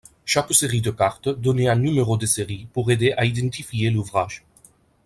Chaque série de cartes donnait un numéro de série pour aider à identifier l'ouvrage.